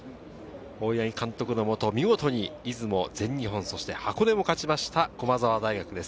大八木監督の下、見事に出雲、全日本、箱根を勝ちました駒澤大学です。